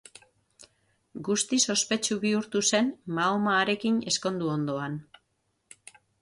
Guztiz ospetsu bihurtu zen Mahoma harekin ezkondu ondoan.